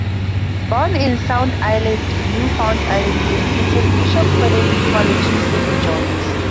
Born in Sound Island, Newfoundland, educated Bishop Feild College, Saint John's.